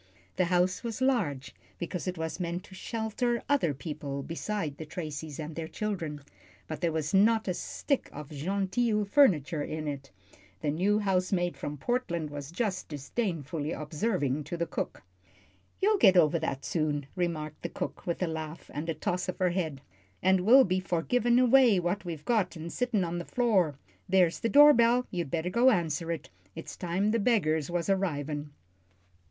The house was large, because it was meant to shelter other people beside the Tracys and their children, but there was not a stick of "genteel" furniture in it, the new housemaid from Portland was just disdainfully observing to the cook. "You'll get over that soon," remarked the cook, with a laugh and a toss of her head, "and will be for givin' away what we've got an' sittin' on the floor. There's the door bell. You'd better go answer it; it's time the beggars was arrivin'." Mr.